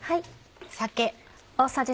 酒。